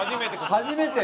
初めて？